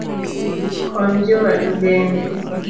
Kony jowadu bende